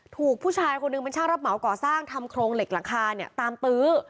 ถูกผู้ชายคนหนึ่งเป็นช่างรับเหมาก่อสร้างทำโครงเหล็กหลังคาเนี่ยตามตื้อ